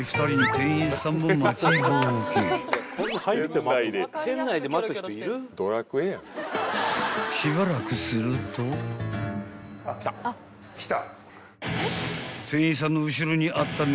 ［店員さんの後ろにあった］